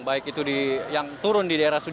baik itu yang turun di daerah